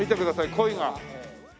コイが。